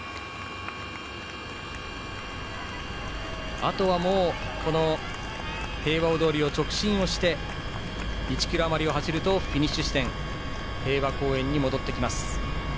あとはもう平和大通りを直進して１ｋｍあまりを走るとフィニッシュ地点平和公園に戻ってきます。